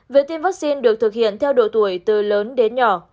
việc tiêm vaccine được thực hiện theo độ tuổi từ lớn đến nhỏ